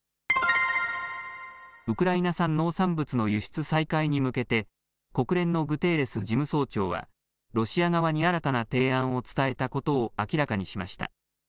ウクライナ産農産物の輸出再開に向けて国連のグテーレス事務総長はロシア側に新たな提案を伝えたことを明らかにしました。